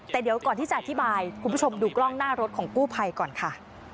แต่เดี๋ยวก่อนที่จะอธิบายคุณผู้ชมดูกล้องหน้ารถของกู้ภัยก่อนค่ะ